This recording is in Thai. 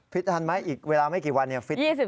ฟิตทันไหมอีกเวลาไม่กี่วันเนี่ย